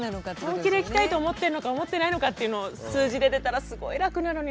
本気で行きたいと思ってるのか思ってないのかというのを数字で出たらすごい楽なのになって。